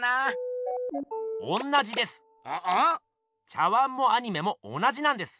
茶碗もアニメも同じなんです。